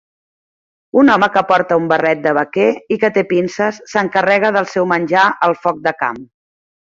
Un home que porta un barret de vaquer i que té pinces s'encarrega del seu menjar al foc de camp